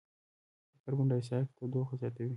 د کاربن ډای اکسایډ تودوخه زیاتوي.